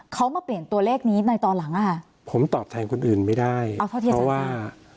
เขามาเปลี่ยนตัวเลขนี้หน่อยตอนหลังอ่ะผมตอบแทนคนอื่นไม่ได้เพราะว่า